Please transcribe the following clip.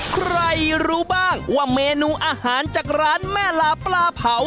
ใครรู้บ้างว่าเมนูอาหารจากร้านแม่ลาปลาเผา